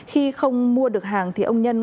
khi không mua được hàng thì ông nhân